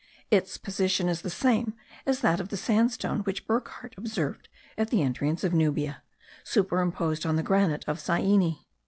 Its position is the same as that of the sandstone which Burckhardt observed at the entrance of Nubia, superimposed on the granite of Syene.